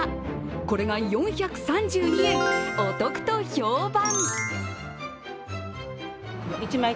これが４３２円、お得と評判！